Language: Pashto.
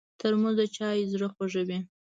ترموز د چایو زړه خوږوي.